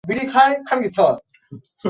টমি, গাড়ি!